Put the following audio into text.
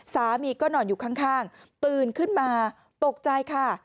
สามีก็นอนอยู่ข้างตื่นขึ้นมาตกใจค่ะ